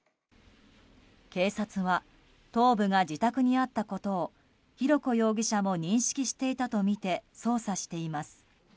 警察は頭部が自宅にあったことを浩子容疑者も認識していたとみて捜査しています。